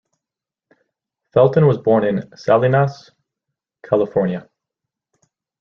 Felton was born in Salinas, California.